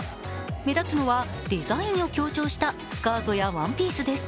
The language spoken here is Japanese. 目立つのはデザインを強調したスカートやワンピースです。